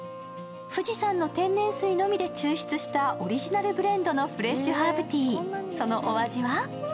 富士山の天然水のみで抽出したオリジナルブレンドのフレッシュハーブティー、そのお味は？